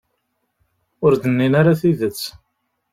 Ur d-nnin ara tidet.